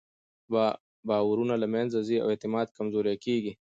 باورونه له منځه ځي او اعتماد کمزوری کېږي.